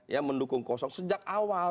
ya mendukung kosong sejak awal